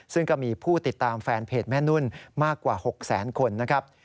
ซึ่งก็มีผู้ติดตามแฟนเพจแม่นุ่นมากกว่า๖แสนคนนะครับ